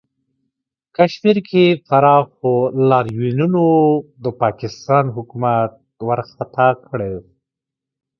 کشمیر کې پراخو لاریونونو د پاکستانی حکومت ورخطا کړی